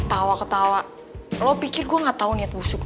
tawa ketawa lu pikir gua gak tau niat busuk lu